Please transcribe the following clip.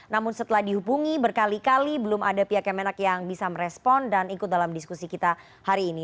namun setelah dihubungi berkali kali belum ada pihak kemenak yang bisa merespon dan ikut dalam diskusi kita hari ini